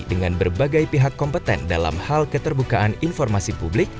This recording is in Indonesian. dengan berbagai pihak kompeten dalam hal keterbukaan informasi publik